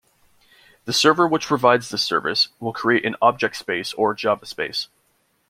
The server which provides this service will create an "Object Space", or "JavaSpace".